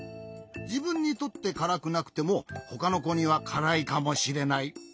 じぶんにとってからくなくてもほかのこにはからいかもしれない。